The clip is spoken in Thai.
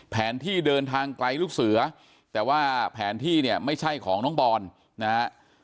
แผนที่เดินทางไกลลูกเสือแต่ว่าแผนที่เนี่ยไม่ใช่ของน้องบอลนะฮะ